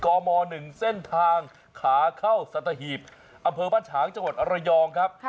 กม๑เส้นทางขาเข้าสัตหีบอำเภอบ้านฉางจังหวัดระยองครับ